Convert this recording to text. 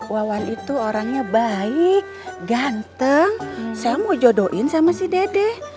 wawan itu orangnya baik ganteng saya mau jodohin sama si dede